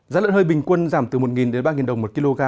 giá lợn hơi bình quân giảm từ một đến ba đồng một kg